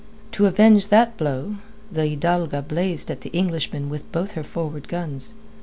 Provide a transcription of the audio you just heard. To avenge that blow, the Hidalga blazed at the Englishman with both her forward guns.